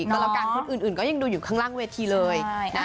ก็แล้วกันคนอื่นก็ยังดูอยู่ข้างล่างเวทีเลย